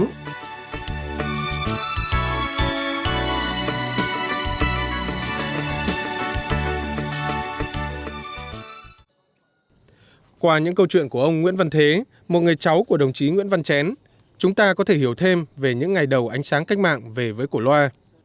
ngoài những câu chuyện của ông nguyễn văn thế một người cháu của đồng chí nguyễn văn chén chúng ta có thể hiểu thêm về những ngày đầu ánh sáng cách mạng về với cổ loa